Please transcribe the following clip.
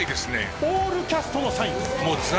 オールキャストのサインです。